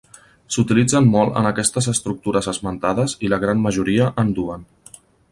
S'utilitzen molt en aquestes estructures esmentades i la gran majoria en duen.